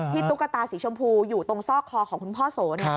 ตุ๊กตาสีชมพูอยู่ตรงซอกคอของคุณพ่อโส